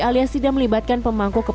alias tidak melibatkan pemangku kepentingan